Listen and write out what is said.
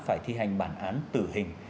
đã phải thi hành bản án tử hình